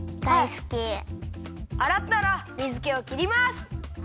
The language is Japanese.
あらったら水けをきります。